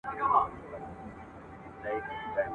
د هغه په خیال ښځه د نه «سړیتوب» لامل جوړېږي